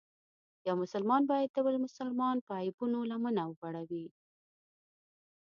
یو مسلمان باید د بل مسلمان په عیبونو لمنه وغوړوي.